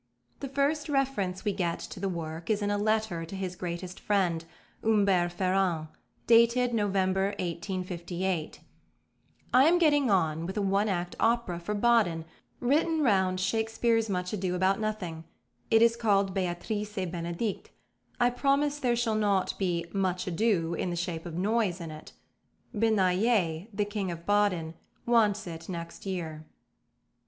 The first reference we get to the work is in a letter to his greatest friend, Humbert Ferrand, dated November 1858: "I am getting on with a one act opera for Baden written round Shakespeare's Much Ado About Nothing. It is called Béatrice et Bénédict; I promise there shall not be 'much ado' in the shape of noise in it. Benayet, the King of Baden, wants it next year."